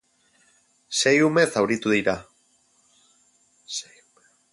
Sei ume zauritu dira.